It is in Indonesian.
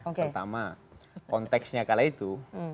pertama konteksnya kala itu